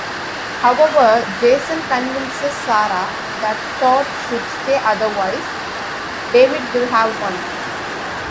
However, Jason convinces Sarah that Todd should stay otherwise David will have won.